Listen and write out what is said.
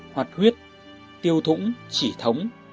hoạt huyết tiêu thủng chỉ thống